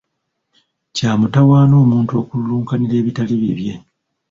Kya mutawaana omuntu okululunkanira ebitali bibye.